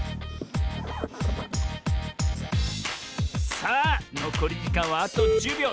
さあのこりじかんはあと１０びょう。